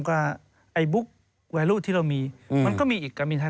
กว่าไอบุ๊กวัลที่เรามีก็มีอีกกราบมีทาย